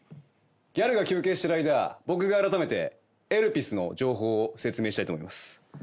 ギャルが休憩してる間僕があらためて『エルピス』の情報を説明したいと思います。